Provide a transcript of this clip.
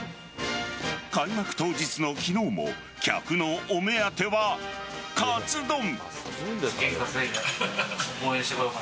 開幕当日の昨日も客のお目当てはカツ丼。